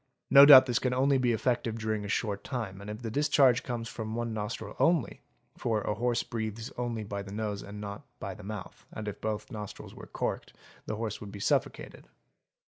' No doubt this can only be effective during a short time and if the dis charge comes from one nostril only, for a horse breathes only by the nose and not by the mouth and if both nostrils were corked the horse would be suffocated.